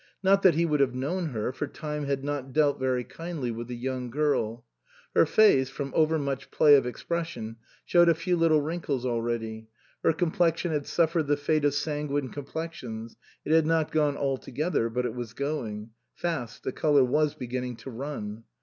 Not that he would have known her, for time had not dealt very kindly with the young girl. Her face, from over much play of expres sion, showed a few little wrinkles already, her complexion had suffered the fate of sanguine complexions, it had not gone altogether, but it was going fast, the colour was beginning to run.